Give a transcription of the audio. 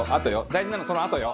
大事なのそのあとよ。